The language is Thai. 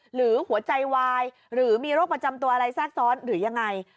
หรือหัวใจวายหรือมีโรคประจำตัวอะไรแทรกซ้อนหรือยังไง